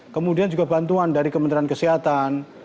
kemudian juga bantuan dari kementerian kesehatan